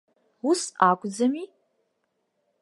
Ус акәӡами?